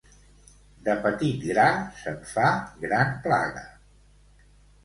De petit gra se'n fa gran plaga.